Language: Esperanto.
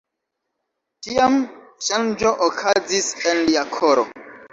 Tiam ŝanĝo okazis en lia koro.